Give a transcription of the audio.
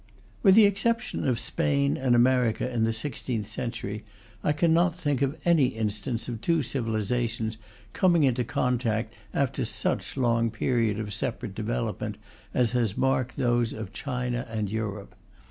With the exception of Spain and America in the sixteenth century, I cannot think of any instance of two civilizations coming into contact after such a long period of separate development as has marked those of China and Europe.